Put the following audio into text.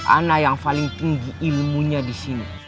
anak yang paling tinggi ilmunya disini